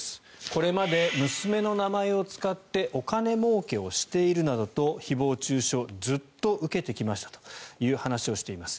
これまで娘の名前を使ってお金もうけをしているなどと誹謗・中傷ずっと受けてきましたという話をしています。